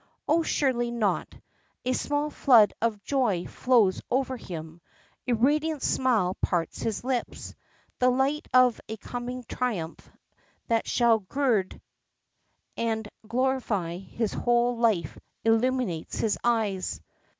Oh! surely not! A small flood of joy flows over him. A radiant smile parts his lips. The light of a coming triumph that shall gird and glorify his whole life illumines his eyes.